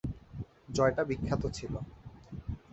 জয়টা বিখ্যাত ছিল।